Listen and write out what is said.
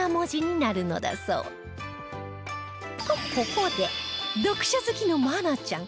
ここで読書好きの愛菜ちゃん